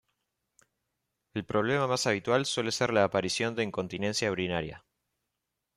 El problema más habitual suele ser la aparición de incontinencia urinaria.